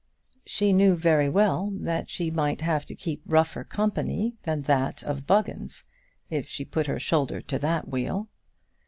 She knew very well that she might have to keep rougher company than that of Buggins if she put her shoulder to that wheel.